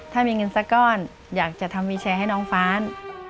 ถ้ามีเงินสักก้อนอยากจะทำวิวแชร์ให้น้องฟ้าน